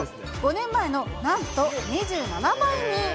５年前のなんと２７倍に。